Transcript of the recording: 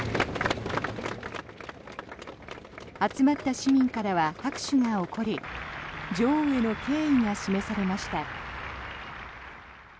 集まった市民からは拍手が起こり女王への敬意が示されました。